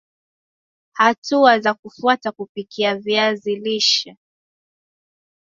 Hatua za kufuata kupikia viazi lishe